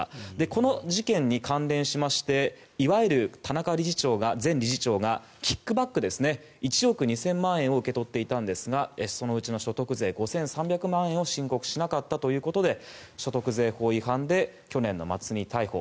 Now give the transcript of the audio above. この事件に関連しましていわゆる田中前理事長がキックバック１億２０００万円を受け取っていたんですがそのうちの所得税５３００万円を申告しなかったということで所得税法違反で去年の末に逮捕。